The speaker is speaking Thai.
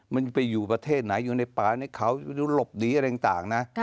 มันจะไปอยู่ประเทศไหนอยู่ในป่าในเขาไม่รู้หลบหนีอะไรต่างนะ